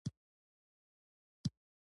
دوی به د روسانو د پرمختګونو مخه ونیسي.